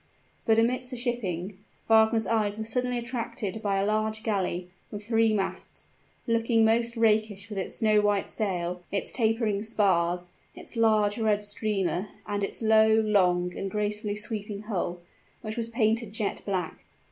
But amidst the shipping, Wagner's eyes were suddenly attracted by a large galley, with three masts looking most rakish with its snow white sail, its tapering spars, its large red streamer, and its low, long, and gracefully sweeping hull, which was painted jet black.